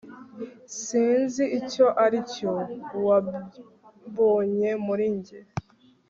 sinzi icyo aricyo wambonye muri njye